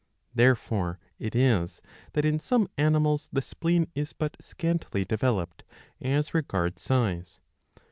Therefore it is that in some animals the spleen is but scantily developed as regards size.